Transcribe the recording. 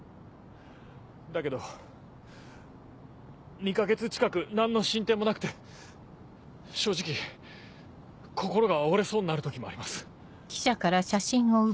だけど２か月近く何の進展もなくて正直心が折れそうになる時もあります。